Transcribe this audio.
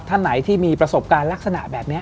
ท่านไหนที่มีประสบการณ์ลักษณะแบบนี้